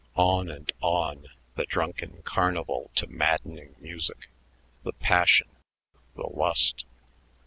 On and on, the drunken carnival to maddening music the passion, the lust.